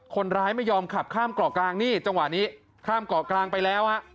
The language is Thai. ไม่ยอมขับข้ามเกาะกลางนี่จังหวะนี้ข้ามเกาะกลางไปแล้วฮะ